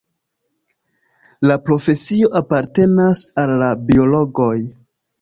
La profesio apartenas al la biologoj.